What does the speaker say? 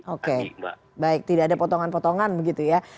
oke baik tidak ada potongan potongan begitu ya